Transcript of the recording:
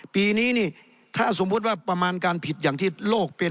ปีนี้นี่ถ้าสมมุติว่าประมาณการผิดอย่างที่โลกเป็น